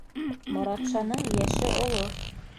Моратшаның йәше оло.